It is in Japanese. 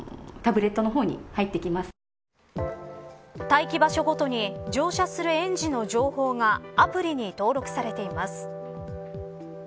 待機場所ごとに乗車する園児の情報がアプリに登録されています。